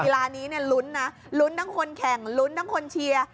เวลานี้เนี่ยลุ้นนะลุ้นทั้งคนแข่งลุ้นทั้งคนเชียร์